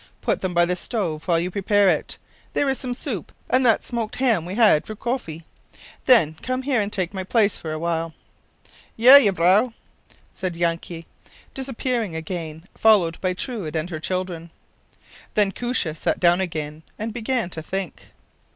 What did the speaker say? Put them by the stove while you prepare it. There is some soup and that smoked ham we had for koffy. Then come here and take my place for a while.” “_Je, jevrouw_,” said Yanke, disappearing again, followed by Truide and her children. Then Koosje sat down again, and began to think.